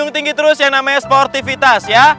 yang tinggi terus yang namanya sportivitas ya